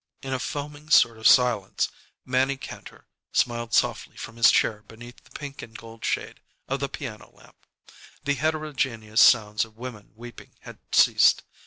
In a foaming sort of silence, Mannie Kantor smiled softly from his chair beneath the pink and gold shade of the piano lamp. The heterogeneous sounds of women weeping had ceased.